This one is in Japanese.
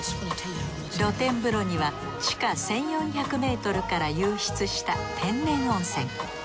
露天風呂には地下１，４００ｍから湧出した天然温泉。